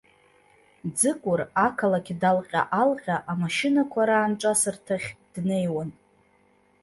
Ӡыкәыр, ақалақь далҟьа-алҟьа, амашьынақәа раанҿасырҭахь днеиуан.